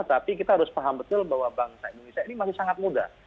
tapi kita harus paham betul bahwa bangsa indonesia ini masih sangat muda